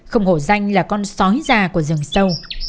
không hổ danh là con sói già của rừng sâu